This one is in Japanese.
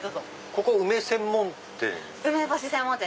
ここ梅専門店？